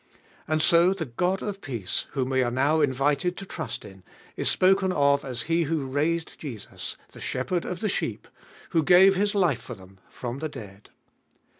And so the God of peace, whom we are now invited to trust in, is spoken of as He who raised Jesus, the Shepherd of the sheep, who gave His life for them, from the dead.